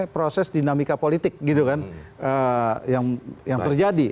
proses dinamika politik gitu kan yang terjadi